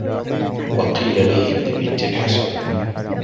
وَقِيلَ لِهِنْدِ بِنْتِ الْحَسَنِ